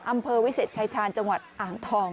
อำเภอวิเศษชายชาญจังหวัดอ่างทอง